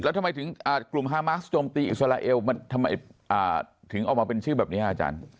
แล้วทำไมถึงกลุ่มฮามาสโจมตีอิสราเอลมันทำไมถึงเอามาเป็นชื่อแบบนี้อาจารย์